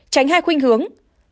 tránh hai khuyên hướng